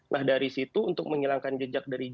nah dari situ untuk menghilangkan jejak dari jiwa